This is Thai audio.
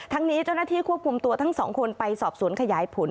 นี้เจ้าหน้าที่ควบคุมตัวทั้งสองคนไปสอบสวนขยายผล